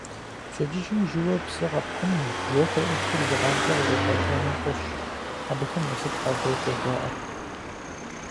Пщэдджыжьым жьыуэ псы къэпхьыну, бжэхэр Ӏупхыу жьы къабзэ къыщӀебгъэхуэну фӀыщ: абыхэм насып къадокӀуэ, жаӀэрт.